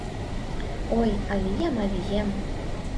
«Ой, авием, авием